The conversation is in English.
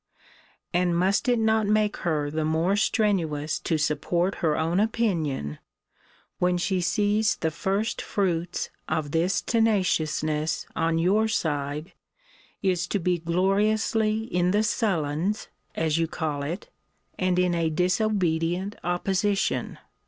And must it not make her the more strenuous to support her own opinion, when she sees the first fruits of this tenaciousness on your side is to be gloriously in the sullens, as you call it, and in a disobedient opposition?